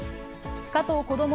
加藤こども